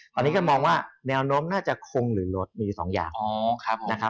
ตอนนี้ก็มองว่าแนวโน้มน่าจะคงหรือลดมีสองอย่างนะครับ